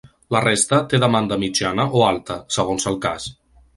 La resta té demanda mitjana o alta, segons el cas.